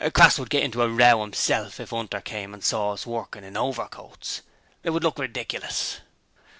'Crass would get into a row 'imself if 'Unter came and saw us workin' in overcoats. It would look ridiclus.'